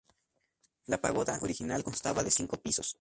La pagoda original constaba de cinco pisos.